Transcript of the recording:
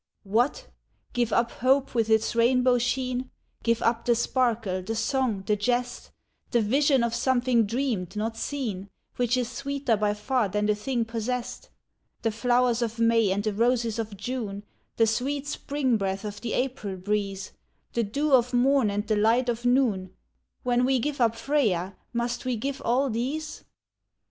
What ! give up hope with its rainbow sheen, Give up the sparkle, the song, the jest, The vision of something dreamed, not seen, Which is sweeter by far than the thing possessed ? The flowers of May and the roses of June, The sweet spring breath of the April breeze, The dew of morn and the light of noon When we give up Freya, must we give all these